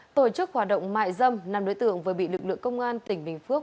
tổ chức hoạt động mại dâm nằm đối tượng với bị lực lượng công an tỉnh bình phước